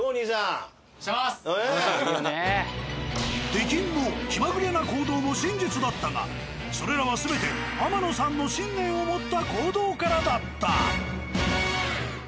出禁も気まぐれな行動も真実だったがそれらは全て天野さんの信念を持った行動からだった。